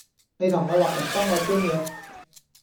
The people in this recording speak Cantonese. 你同我落黎幫我搬嘢